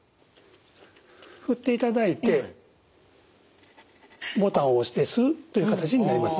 振っていただいてボタンを押して吸うという形になります。